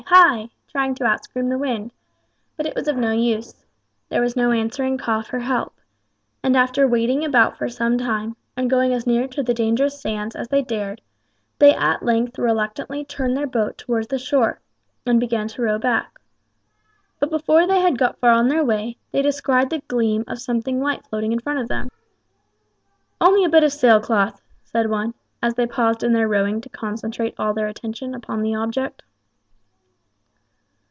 hi!" trying to outscream the wind; but it was of no use; there was no answering call for help, and after waiting about for some time, and going as near to the dangerous sands as they dared, they at length reluctantly turned their boat towards the shore, and began to row back. But before they had got far on their way, they descried the gleam of something white floating in front of them. "Only a bit of sail cloth," said one, as they paused in their rowing to concentrate all their attention upon the object.